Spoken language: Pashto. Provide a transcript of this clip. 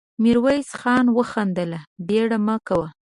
ميرويس خان وخندل: بېړه مه کوه.